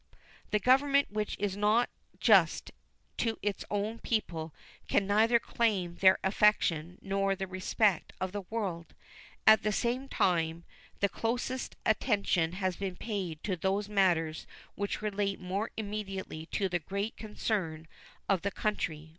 The Government which is not just to its own people can neither claim their affection nor the respect of the world. At the same time, the Closest attention has been paid to those matters which relate more immediately to the great concerns of the country.